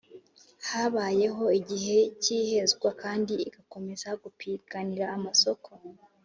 Habayeho igihe cy ihezwa kandi igakomeza gupiganira amasoko